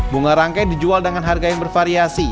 bunga rangkai dijual dengan harga yang bervariasi